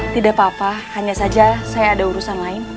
tidak apa apa hanya saja saya ada urusan lain